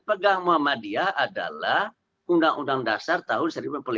pegang muhammadiyah adalah undang undang dasar tahun seribu sembilan ratus empat puluh lima